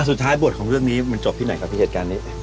สุดท้ายบทของเรื่องนี้มันจบที่ไหนครับพี่เหตุการณ์นี้